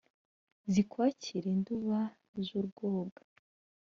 Zimwakire induba z'urwoga.